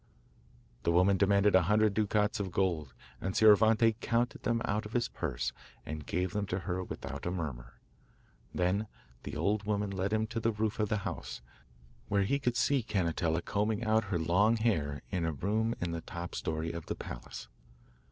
The woman demanded a hundred ducats of gold, and Scioravante counted them out of his purse and gave them to her without a murmur. Then the old woman led him to the roof of the house, where he could see Cannetella combing out her long hair in a room in the top story of the palace.